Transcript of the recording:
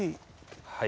はい。